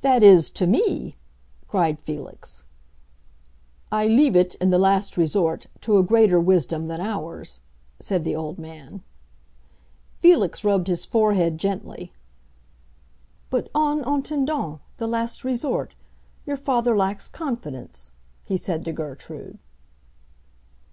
"That is, to me!" cried Felix. "I leave it, in the last resort, to a greater wisdom than ours," said the old man. Felix rubbed his forehead gently. "But en attendant the last resort, your father lacks confidence," he said to Gertrude.